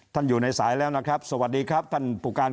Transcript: ท่านอยู่ในสายแล้วสวัสดีท่านปู่การ